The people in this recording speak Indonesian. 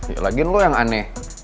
ya lagi lu yang aneh